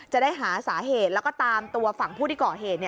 จะได้หาสาเหตุแล้วก็ตามตัวฝั่งผู้ที่ก่อเหตุ